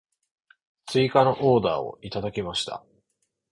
追加のオーダーをいただきました。